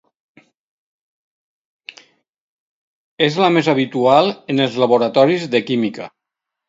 És la més habitual en els laboratoris de química.